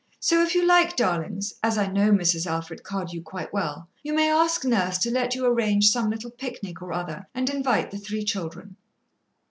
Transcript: So if you like, darlings, as I know Mrs. Alfred Cardew quite well, you may ask Nurse to let you arrange some little picnic or other and invite the three children."